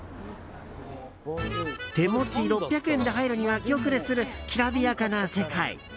手持ち６００円で入るには気後れする、きらびやかな世界。